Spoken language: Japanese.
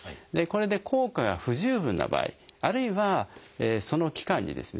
これで効果が不十分な場合あるいはその期間にですね